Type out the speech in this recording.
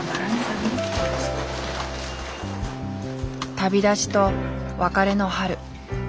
旅立ちと別れの春。